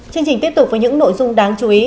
chương trình tiếp tục với những nội dung đáng chú ý